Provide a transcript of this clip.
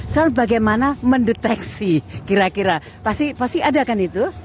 soal bagaimana mendeteksi kira kira pasti ada kan itu